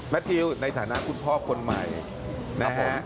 ทิวในฐานะคุณพ่อคนใหม่นะฮะ